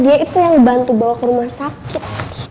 dia itu yang bantu bawa ke rumah sakit